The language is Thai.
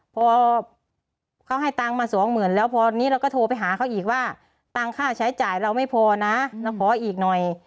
พอเขาให้ตังค์มาสองหมื่นแล้วพอนี้เราก็โทรไปหาเขาอีกว่าตังค่าใช้จ่ายเราไม่พอนะเราขออีกหน่อย